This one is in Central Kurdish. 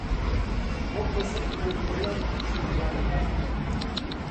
ئەو کەسەی پەنجۆڵە بکوشێ جاروبار،